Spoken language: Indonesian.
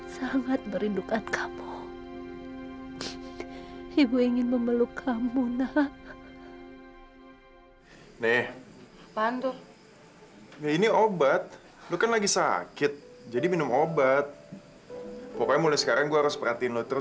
sampai jumpa di video selanjutnya